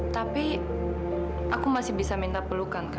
sampai jumpa di video selanjutnya